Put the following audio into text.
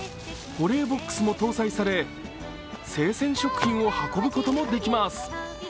保冷ボックスも搭載され生鮮食品を運ぶこともできます。